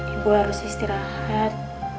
ibu harus istirahat